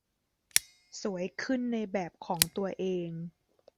สวยขึ้นในแบบของตัวเอง